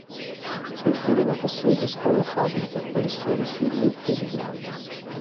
Qui furono costruite scuole e fabbriche per istruire i figli dei migranti.